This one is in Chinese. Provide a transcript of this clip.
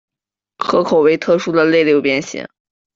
壳口为特殊的类六边形。